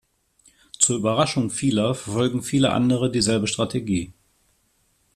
Zur Überraschung vieler verfolgen viele andere dieselbe Strategie.